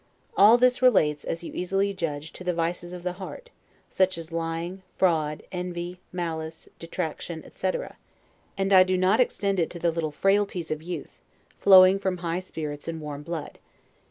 All this relates, as you easily judge, to the vices of the heart, such as lying, fraud, envy, malice, detraction, etc., and I do not extend it to the little frailties of youth, flowing from high spirits and warm blood.